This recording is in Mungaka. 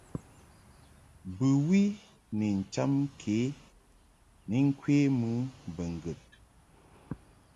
Bɨwi ni ncham ke ni ŋkwe mɨ mbo ŋgəd.